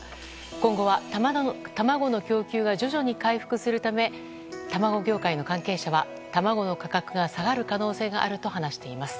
今後は卵の供給が徐々に回復するため卵業者の関係者は卵の価格が下がる可能性があると話しています。